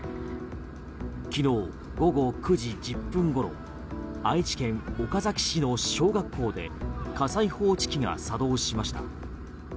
昨日午後９時１０分ごろ愛知県岡崎市の小学校で火災報知機が作動しました。